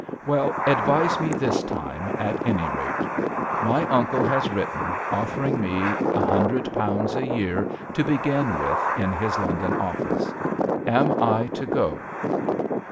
" Well, advise me this time at any rate. My uncle has written, offering me 100 a year to begin with in his London office. Am I to go